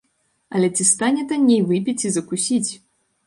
Але ці стане танней выпіць і закусіць?